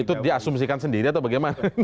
itu diasumsikan sendiri atau bagaimana